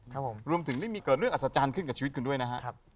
ครับผมรวมถึงได้มีเกิดเรื่องอัศจรรย์ขึ้นกับชีวิตคุณด้วยนะครับ